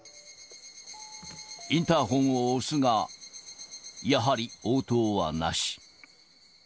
インターホンを押すが、やはり応答はなし。